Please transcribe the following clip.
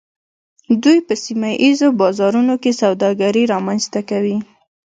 دوی په سیمه ایزو بازارونو کې سوداګري رامنځته کوي